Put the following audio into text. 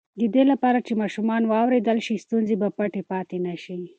د دې لپاره چې ماشومان واورېدل شي، ستونزې به پټې پاتې نه شي.